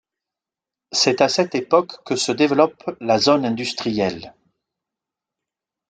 C'est à cette époque que se développe la zone industrielles.